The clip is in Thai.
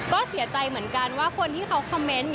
ก็เสียใจเหมือนกันว่าคนที่เขาคอมเมนต์